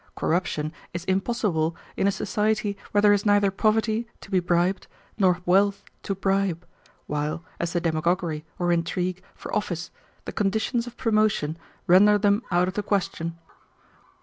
Corruption is impossible in a society where there is neither poverty to be bribed nor wealth to bribe, while as to demagoguery or intrigue for office, the conditions of promotion render them out of the question."